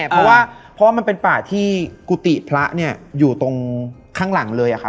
เพราะว่ามันเป็นป่าที่กุฏิพระเนี่ยอยู่ตรงข้างหลังเลยอะครับ